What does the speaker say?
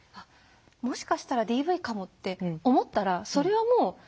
もしかしたらＤＶかもって思ったらそれはもうほぼ？